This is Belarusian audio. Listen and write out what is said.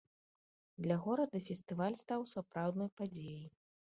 Для горада фестываль стаў сапраўднай падзеяй.